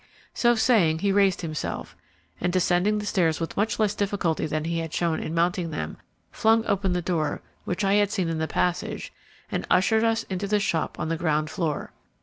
So saying, he raised himself, and descending the stairs with much less difficulty than he had shown in mounting them, flung open the door which I had seen in the passage and ushered us into the shop on the ground floor.